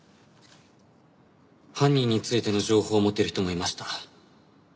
犯人についての情報を持ってる人もいました。